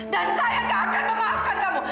dan saya nggak akan memaafkan kamu